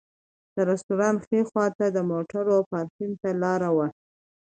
د رسټورانټ ښي خواته د موټرو پارکېنګ ته لاره وه.